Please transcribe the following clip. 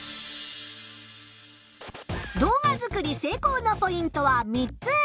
動画作り成功のポイントは３つ。